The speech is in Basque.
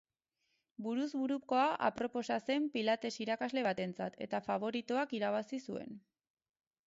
Buruz burukoa aproposa zen pilates irakasle batentzat, eta faboritoak irabazi zuen.